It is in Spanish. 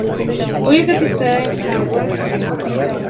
Hoy está situada en Halle en Sajonia-Anhalt.